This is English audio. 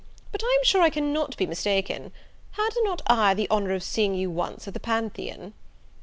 but I am sure I cannot be mistaken; had not I the honour of seeing you once at the Pantheon?"